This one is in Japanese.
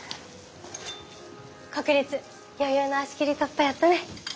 国立余裕の足きり突破やったね。